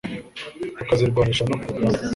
bakazirwanisha no ku rugamba